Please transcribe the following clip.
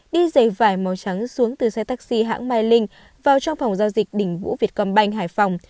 đi dày vải màu trắng xuống từ xe taxi hãng mai linh vào trong phòng giao dịch đỉnh vũ việt cầm banh hải phòng